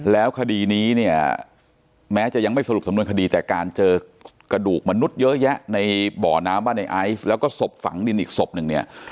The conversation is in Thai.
แล้วคดีนี้เนี่ยแม้จะยังไม่สรุปสำนวนคดีแต่การเจอกระดูกมนุษย์เยอะแยะในบ่อน้ำบ้านในไอซ์แล้วก็ศพฝังดินอีกศพหนึ่งเนี่ย